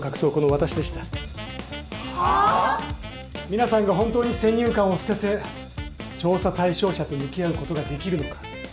皆さんが本当に先入観を捨てて調査対象者と向き合うことができるのか。